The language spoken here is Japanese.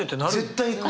絶対行く！